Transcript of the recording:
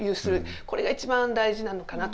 これが一番大事なのかなと。